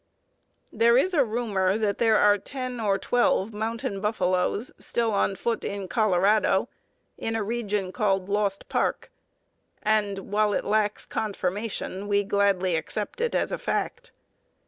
There is a rumor that there are ten or twelve mountain buffaloes still on foot in Colorado, in a region called Lost Park, and, while it lacks confirmation, we gladly accept it as a fact.